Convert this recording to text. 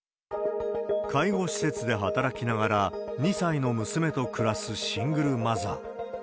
介護施設で働きながら、２歳の娘と暮らすシングルマザー。